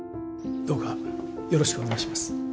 どうかよろしくお願いします。